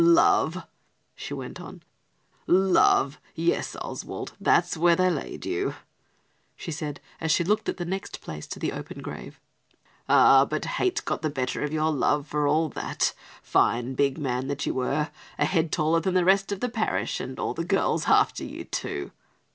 "Love!" she went on, "love! Yes, Oswald, that's where they laid you," she said, as she looked at the next place to the open grave. "Ah, but hate got the better of your love, for all that, fine big man that you were, a head taller than the rest of the parish, and all the girls after you, too!"